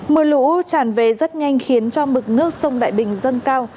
mưa lũ tràn về rất nhanh khiến cho mực nước sông đại bình dâng cao